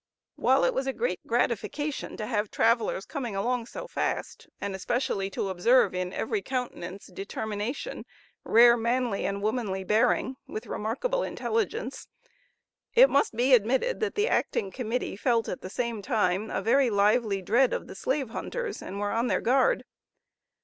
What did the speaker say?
While it was a great gratification to have travelers coming along so fast, and especially to observe in every countenance, determination, rare manly and womanly bearing, with remarkable intelligence, it must be admitted, that the acting committee felt at the same time, a very lively dread of the slave hunters, and were on their guard.